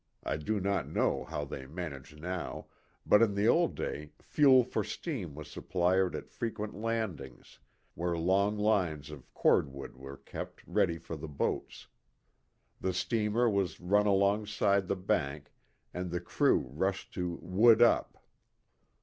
13 I do not know how they manage now, but in the old day fuel for steam was supplied at fre quent "landings," where long lines of cord wood were kept ready for the boats ; the steamer was run alongside the bank and the crew rushed to "wood up."